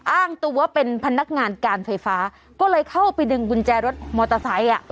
อ้างตัวเป็นพนักงานการไฟฟ้าก็เลยเข้าไปดึงกุญแจรถมอเตอร์ไซค์